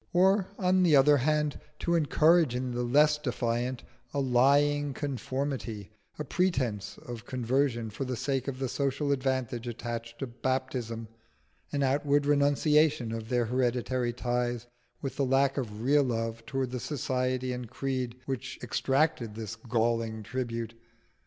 or, on the other hand, to encourage in the less defiant a lying conformity, a pretence of conversion for the sake of the social advantages attached to baptism, an outward renunciation of their hereditary ties with the lack of real love towards the society and creed which exacted this galling tribute?